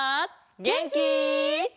げんき？